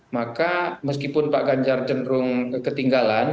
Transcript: maka meskipun pak ganjar cenderung ketinggalan